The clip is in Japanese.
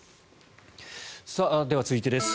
では続いてです。